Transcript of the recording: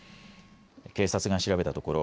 警察が調べたところ